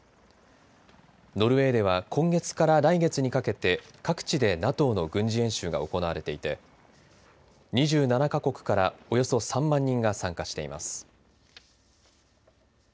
ノルウェーでは今月から来月にかけて各地でＮＡＴＯの軍事演習が行われていて２７か国からおよそ３万人が参加しています。